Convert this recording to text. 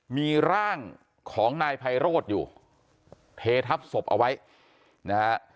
มีร่างของนายไพโรธอยู่เททับศพเอาไว้นะฮะ